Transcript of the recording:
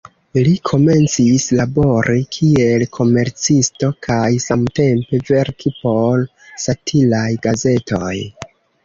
Li komencis labori kiel komercisto kaj samtempe verki por satiraj gazetoj.